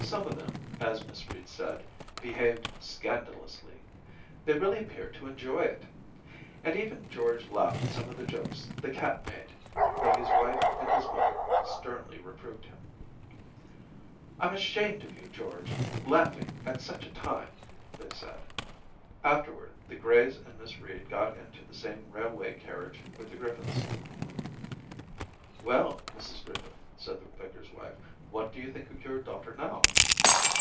Some of them, as Miss Reed said, behaved scandalously ; they really appeared to enjoy it. And even George laughed at some of the jokes the cat made, though his wife and his mother sternly reproved him. * Tm ashamed of you, George, laughing at such a time !' they said. Afterwards the Grays and Miss Reed got into the same railway carriage with the Griffiths. * Well, Mrs Griffith,' said the vicar's wife, * what do you think of your daughter now?'